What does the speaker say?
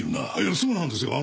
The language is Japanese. そうなんですよ。